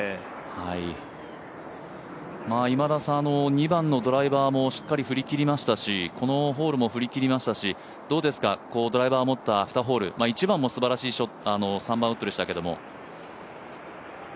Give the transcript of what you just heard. ２番のドライバーもしっかり振り切りましたし、このホールも振り切りましたし、どうですかドライバーを持ったアフターホール、１番もすばらしい３番ウッドでしたけど。